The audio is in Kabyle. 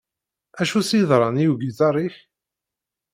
Acu s-yeḍran i ugiṭar-ik?